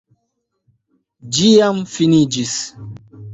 Ĝi jam finiĝis.